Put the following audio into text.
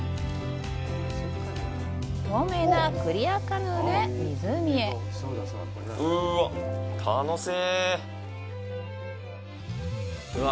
透明なクリアカヌーで湖へうわっ楽しいうわ